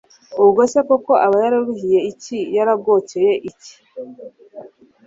ubwo se koko aba yararuhiye iki? yaragokeye iki